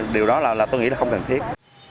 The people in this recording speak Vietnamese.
điều đó là tôi nghĩ là không cần thiết